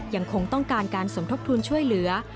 ยังคงต้องการการสมทบทุนช่วยเหลือ